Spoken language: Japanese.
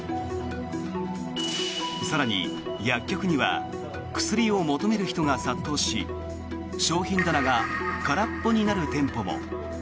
更に、薬局には薬を求める人が殺到し商品棚が空っぽになる店舗も。